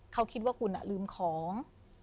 เขาคิดว่าคุณลืมของ